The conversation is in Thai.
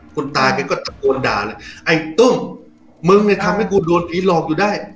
คุณตาแกก็ตะโกนด่าเลยไอ้ตุ้มมึงเนี่ยทำให้กูโดนผีหลอกอยู่ได้